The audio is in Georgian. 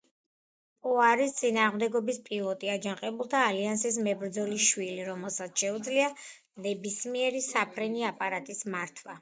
პო არის წინააღმდეგობის პილოტი, აჯანყებულთა ალიანსის მებრძოლის შვილი, რომელსაც შეუძლია ნებისმიერი საფრენი აპარატის მართვა.